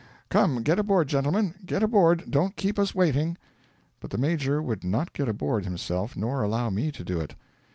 Come, get aboard, gentlemen, get aboard don't keep us waiting.' But the Major would not get aboard himself nor allow me to do it.